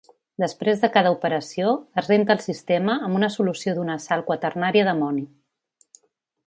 Després de cada operació es renta el sistema amb una solució d'una sal quaternària d'amoni.